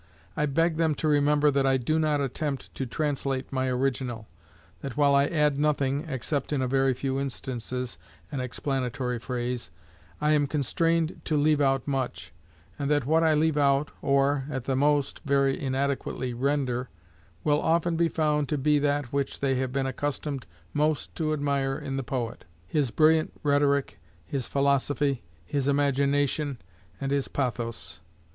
I beg them to remember that I do not attempt to translate my original, that while I add nothing (except, in a very few instances, an explanatory phrase), I am constrained to leave out much; and that what I leave out, or, at the most, very inadequately render, will often be found to be that which they have been accustomed most to admire in the poet, his brilliant rhetoric, his philosophy, his imagination, and his pathos.